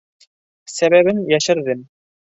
Сәбәбен йәшерҙем.